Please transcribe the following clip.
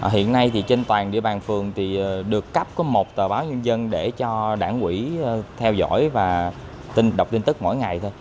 hiện nay trên toàn địa bàn phường được cấp có một tờ báo nhân dân để cho đảng quỹ theo dõi và đọc tin tức mỗi ngày thôi